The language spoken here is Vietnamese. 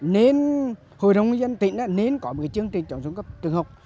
nên hội đồng dân tỉnh nên có một chương trình trọng xuống cấp trường học